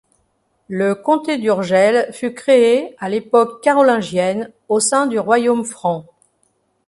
Le comté d'Urgell fut créé, à l'époque carolingienne, au sein du Royaume franc.